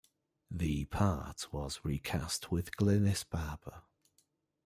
The part was re-cast with Glynis Barber.